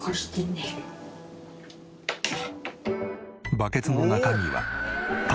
バケツの中身は卵。